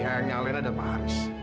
ayahnya alena dan pak haris